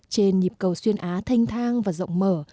trên nhịp cầu xuyên á thanh thang và rộng mở